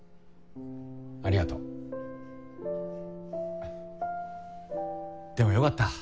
ありがとうでも良かった。